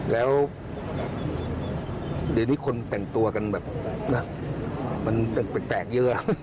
แล้วเดี๋ยวนี้คนแต่งตัวกันแบบมันแปลกเยอะ